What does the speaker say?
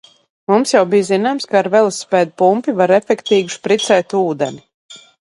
Mums jau bija zināms, ka ar velosipēda pumpi var efektīgi špricēt ūdeni.